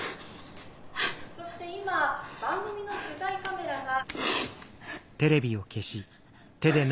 そして今番組の取材カメラが」。